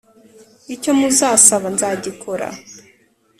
Icyo muzasaba nzagikora